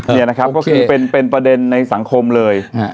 นี่นะครับก็คือเป็นประเด็นในสังคมเลย